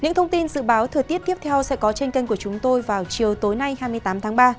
những thông tin dự báo thời tiết tiếp theo sẽ có trên kênh của chúng tôi vào chiều tối nay hai mươi tám tháng ba